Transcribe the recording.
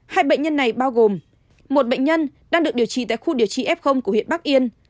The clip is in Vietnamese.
hai bệnh nhân này bao gồm một bệnh nhân đang được điều trị tại khu điều trị f của huyện bắc yên